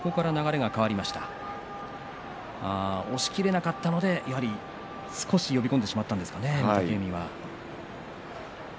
押しきれなかったので少し呼び込んでしまったんでしょうか。